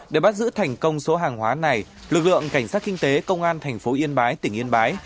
để bắt giữ thành công số hàng hóa này lực lượng cảnh sát kinh tế công an thành phố yên bái tỉnh yên bái